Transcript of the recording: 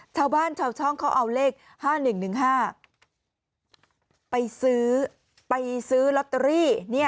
ชาวบ้านชาวช่องเขาเอาเลขห้าหนึ่งหนึ่งห้าไปซื้อไปซื้อล็อตเตอรี่เนี่ย